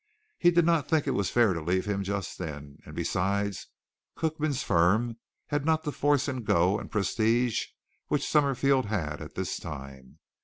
He did not think it was fair to leave him just then, and, besides, Cookman's firm had not the force and go and prestige which Summerfield had at this time.